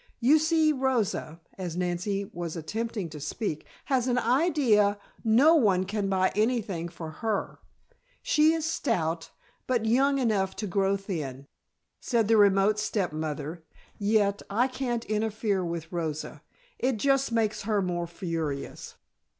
You see, Rosa," as Nancy was attempting to speak, "has an idea no one can buy anything for her. She is stout, but young enough to grow thin," said the remote step mother, "yet, I can't interfere with Rosa. It just makes her more furious."